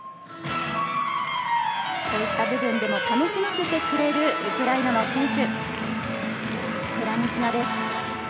こういった部分でも楽しませてくれるウクライナの選手。